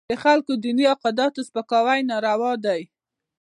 د خلکو د دیني عقایدو سپکاوي ناروا دی.